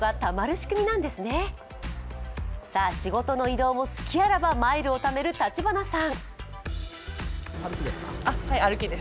仕事の移動も隙あらばマイルをためる立花さん。